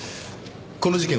この事件